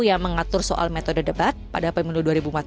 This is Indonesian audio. yang mengatur soal metode debat pada pemilu dua ribu empat belas